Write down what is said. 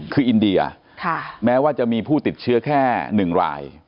คืออินเดียแม้ว่าจะมีผู้ติดเชื้อแค่๑ราย